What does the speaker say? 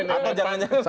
atau jarang saja